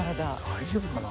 大丈夫かな？